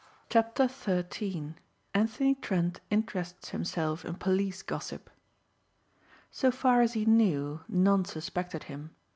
CHAPTER XIII ANTHONY TRENT INTERESTS HIMSELF IN POLICE GOSSIP SO far as he knew, none suspected him.